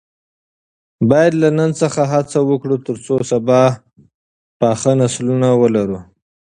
باید له نن څخه هڅه وکړو ترڅو سبا پاخه نسلونه ولرو.